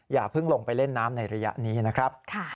อย่าเพิ่งลงไปเล่นน้ำในระยะนี้นะครับ